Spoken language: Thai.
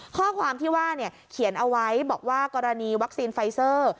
ข้อความที่ว่าเขียนเอาไว้บอกว่ากรณีวัคซีนไฟเซอร์